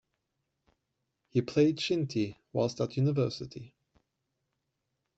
He played shinty whilst at university.